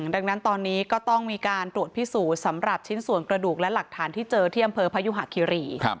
ดังนั้นตอนนี้ก็ต้องมีการตรวจพิสูจน์สำหรับชิ้นส่วนกระดูกและหลักฐานที่เจอที่อำเภอพยุหะคิรี